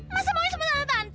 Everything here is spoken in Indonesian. masa mau disemua tante tante